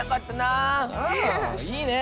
あいいね。